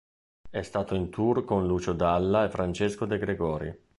È stato in tour con Lucio Dalla e Francesco De Gregori.